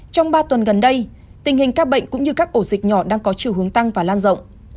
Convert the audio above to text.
trong ba tuần gần đây tình hình ca bệnh cũng như các ổ dịch nhỏ đang có chiều hướng tăng và lan rộng